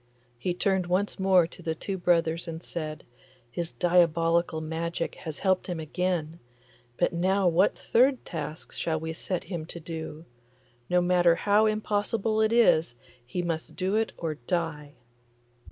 He turned once more to the two brothers and said, 'His diabolical magic has helped him again, but now what third task shall we set him to do? No matter how impossible it is, he must do it or die.